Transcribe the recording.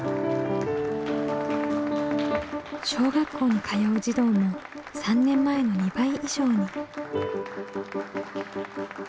小学校に通う児童も３年前の２倍以上に。